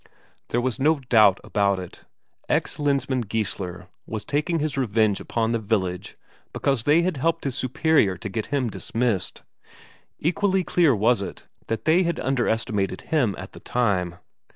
There was no doubt about it: ex Lensmand Geissler was taking his revenge upon the village because they had helped his superior to get him dismissed; equally clear was it that they had underestimated him at the time.